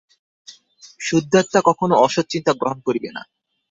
শুদ্ধাত্মা কখনও অসৎ চিন্তা গ্রহণ করিবে না।